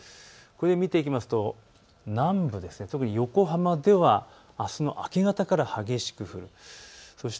見ていきますと南部、特に横浜では、あすの明け方から激しく降ります。